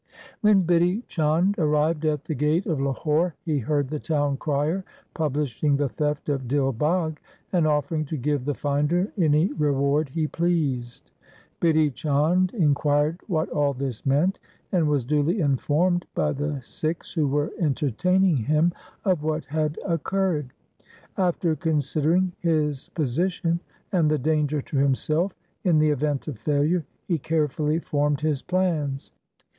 When Bidhi Chand arrived at the gate of Lahore he heard the town crier publishing the theft of Dil Bagh, and offering to give the finder any reward he pleased. Bidhi Chand inquired what all this meant, and was duly informed by the Sikhs who were entertaining him of what had occurred. After considering his position, and the danger to himself in the event of failure, he carefully formed his plans.